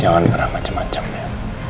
jangan pernah macem macem ya